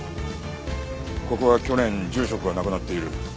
ここは去年住職が亡くなっている。